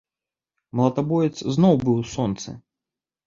Малатабоец зноў быў у сонцы.